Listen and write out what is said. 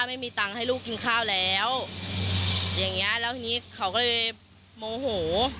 ไม่มีตังค์ให้ลูกกินข้าวแล้วอย่างเงี้ยแล้วทีนี้เขาก็เลยโมโห